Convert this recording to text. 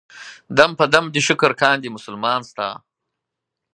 دم په دم دې شکر کاندي مسلمان ستا.